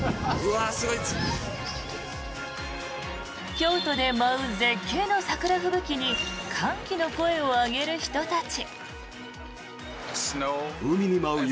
京都で舞う絶景の桜吹雪に歓喜の声を上げる人たち。